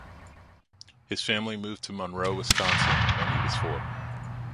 His family moved to Monroe, Wisconsin, when he was four.